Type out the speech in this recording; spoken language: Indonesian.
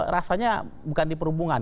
rasanya bukan di perhubungan